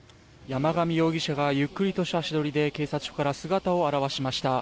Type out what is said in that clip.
山上容疑者がゆっくりとした足取りで警察署から姿を現しました。